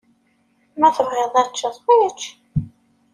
Ma tebɣiḍ ad teččeḍ, ečč.